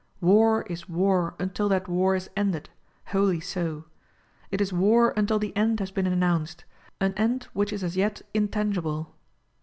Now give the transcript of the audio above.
War is war until that war is ended, wholly so ; it is war until the end has been announced ; an end which is as yet intangible.